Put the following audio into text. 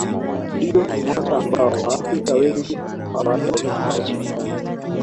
ndiyo mwaka ambao waafrika wengi hawatausahau maishani